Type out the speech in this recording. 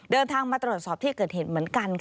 เดินทางมาตรวจสอบที่เกิดเหตุเหมือนกัน